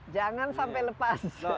jangan sampai lepas